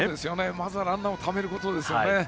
まずはランナーをためることですね。